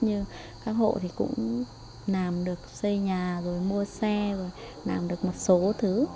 như các hộ thì cũng làm được xây nhà rồi mua xe rồi làm được một số thứ